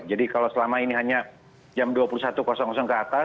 jadi kalau selama ini hanya jam dua puluh satu ke atas